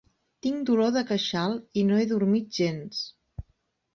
Tinc dolor de queixal i no he dormit gens.